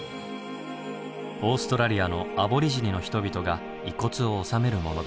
オーストラリアのアボリジニの人々が遺骨を納めるものです。